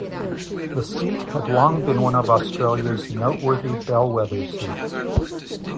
The seat had long been one of Australia's noteworthy bellwether seats.